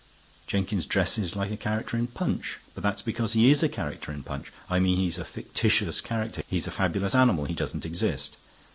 Jenkins dresses like a character in Punch. But that's because he is a character in Punch. I mean he's a fictitious character. He's a fabulous animal. He doesn't exist.